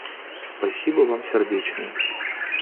Спасибо вам сердечное.